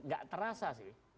tidak terasa sih